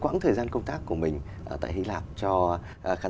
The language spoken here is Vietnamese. không p gitu mệt hơn